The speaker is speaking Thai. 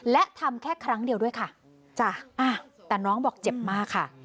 และทำแค่ครั้งเดียวด้วยค่ะจ้ะแต่น้องบอกเจ็บมากค่ะ